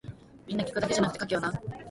皆聞くだけじゃなくて書けよな